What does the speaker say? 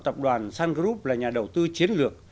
tập đoàn sun group là nhà đầu tư chiến lược